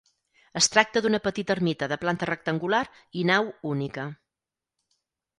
Es tracta d'una petita ermita de planta rectangular i nau única.